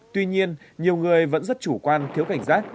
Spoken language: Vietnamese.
tuy nhiên nhiều người vẫn rất chủ quan thiếu cảnh giác